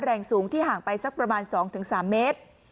แรงสูงที่ห่างไปสักประมาณ๒๓เมตร